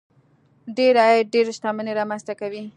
ډېر عاید ډېره شتمني رامنځته کوي.